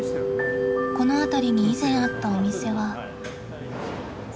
この辺りに以前あったお店は。